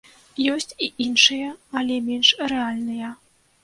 Ёсць і іншыя, але менш рэальныя.